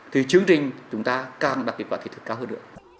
thì chương trình chúng ta càng đạt cái quả thị thực cao hơn nữa